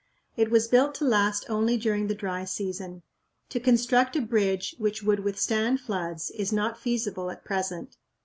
It was built to last only during the dry season. To construct a bridge which would withstand floods is not feasible at present.